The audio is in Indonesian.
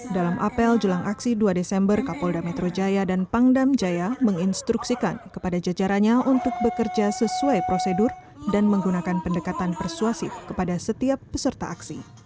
dalam apel jelang aksi dua desember kapolda metro jaya dan pangdam jaya menginstruksikan kepada jajarannya untuk bekerja sesuai prosedur dan menggunakan pendekatan persuasif kepada setiap peserta aksi